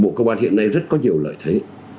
bộ công an hiện nay rất có nhiều lợi thế